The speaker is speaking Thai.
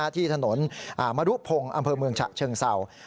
ที่ถนนมรุพงศ์อำเภอเมืองฉะเชิงเศร้า